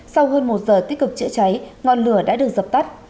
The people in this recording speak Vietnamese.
sau hơn một giờ tích cực chữa cháy ngọn lửa đã được dập tắt